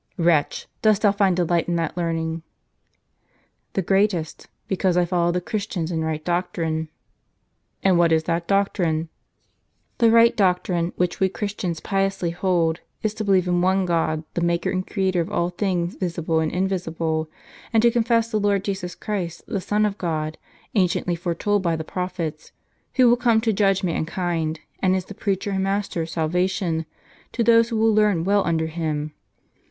" Wretch ! dost thou find delight in that learning ?" "The greatest; because I follow the Christians in right doctrine." " And what is that doctrine ?"" The right doctrine, which we Christians piously hold, is to believe in one God, the Maker and Creator of all things visible and invisible ; and to confess the Lord Jesus Christ the Son of God, anciently foretold by the prophets, who will come to judge mankind, and is the preacher and master of salvation, to those who will learn well under Him.